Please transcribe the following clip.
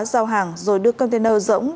giao hàng rồi đưa container rỗng